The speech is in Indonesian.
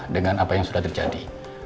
dengan apa yang sudah terjadi